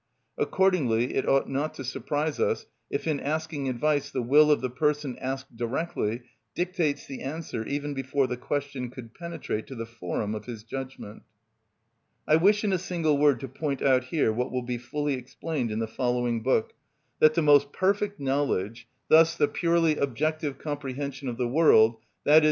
Accordingly it ought not to surprise us if in asking advice the will of the person asked directly dictates the answer even before the question could penetrate to the forum of his judgment. I wish in a single word to point out here what will be fully explained in the following book, that the most perfect knowledge, thus the purely objective comprehension of the world, _i.e.